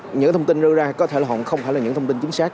những cái thông tin rơi ra có thể không phải là những thông tin chính xác